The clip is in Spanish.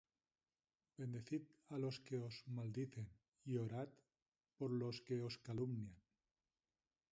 Bendecid á los que os maldicen, y orad por los que os calumnian.